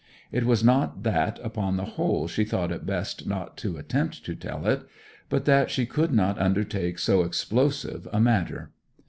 It was not that upon the whole she thought it best not to attempt to tell it; but that she could not undertake so explosive a matter.